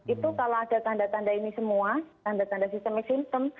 itu kalau ada tanda tanda ini semua tanda tanda sistemik symptom